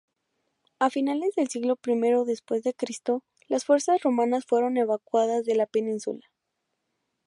A finales del siglo primero dC, las fuerzas romanas fueron evacuadas de la península.